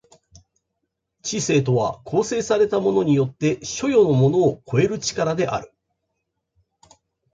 知性とは構成されたものによって所与のものを超える力である。